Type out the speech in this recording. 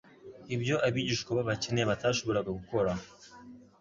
ibyo abigishwa b'abakene batashoboraga gukora,